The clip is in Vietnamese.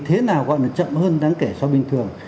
thế nào gọi là chậm hơn đáng kể so bình thường